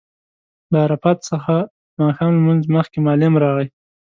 له عرفات څخه د ماښام لمونځ مخکې معلم راغی.